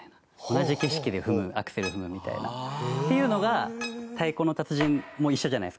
同じ景色で踏むアクセルを踏むみたいな。っていうのが『太鼓の達人』も一緒じゃないですか。